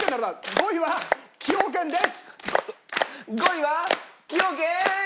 ５位は崎陽軒です！